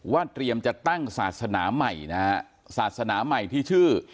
เตรียมจะตั้งศาสนาใหม่นะฮะศาสนาใหม่ที่ชื่อ